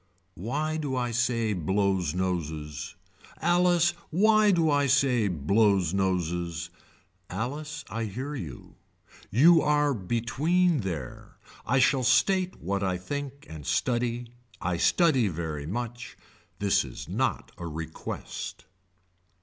Why do I say blows noses. Alice why do I say blows noses. Alice I hear you. You are between there. I shall state what I think and study. I study very much. This is not a request.